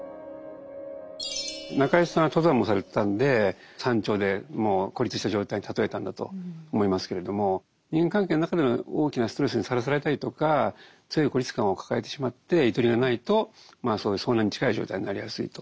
中井さんは登山もされてたんで山頂でもう孤立した状態に例えたんだと思いますけれども人間関係の中で大きなストレスにさらされたりとか常に孤立感を抱えてしまってゆとりがないとそういう遭難に近い状態になりやすいと。